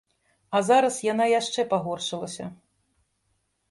А зараз яна яшчэ пагоршылася.